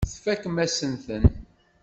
Tfakem-asen-ten.